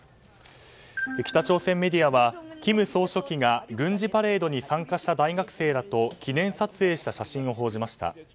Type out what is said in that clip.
北朝鮮メディアは金総書記が軍事パレードに参加した大学生らと記念撮影した写真を報じました。